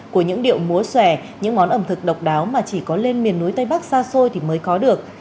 của những điệu múa xòe những món ẩm thực độc đáo mà chỉ có lên miền núi tây bắc xa xôi thì mới có được